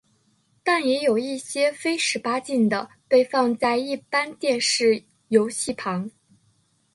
但也有一些非十八禁的被放在一般电视游戏旁。